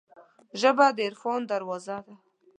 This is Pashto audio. ژبه د عرفان دروازه ده